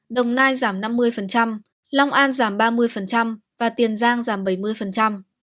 đồng nai giảm năm mươi long an giảm ba mươi và tiền giang giảm bảy mươi